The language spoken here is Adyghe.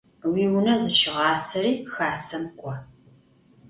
Уиунэ зыщыгъасэри Хасэм кӏо.